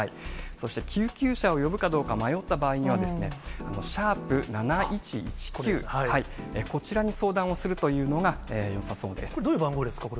そして、救急車を呼ぶかどうか迷った場合には、＃７１１９、こちらに相談これ、どういう番号ですか？